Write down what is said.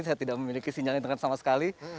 saya tidak memiliki sinyal internet sama sekali